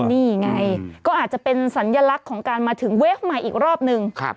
นี่ไงก็อาจจะเป็นสัญลักษณ์ของการมาถึงเวฟใหม่อีกรอบนึง